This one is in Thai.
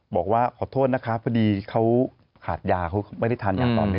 บอกว่าขอโทษนะคะพอดีเขาขาดยาเขาไม่ได้ทานยาตอนนี้